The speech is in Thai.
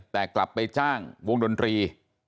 แต่กลับไปจ้างวงดนตรี